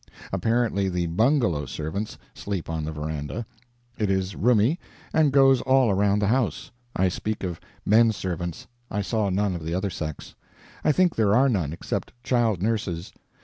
Apparently, the bungalow servants sleep on the veranda; it is roomy, and goes all around the house. I speak of menservants; I saw none of the other sex. I think there are none, except child nurses.